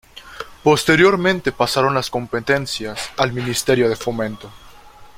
Posteriormente pasaron las competencias al Ministerio de Fomento.